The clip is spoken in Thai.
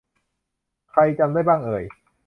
ใครจำได้บ้างเอ่ย